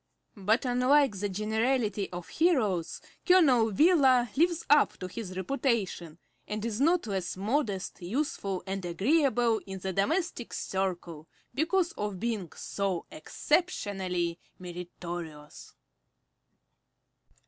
But unlike the generality of heroes, Colonel Wheeler lives up to his reputation, and is not less modest, useful, and agreeable in the domestic circle because of being so exceptionally meritorious!